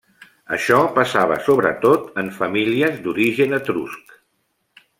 Això passava sobretot en famílies d'origen etrusc.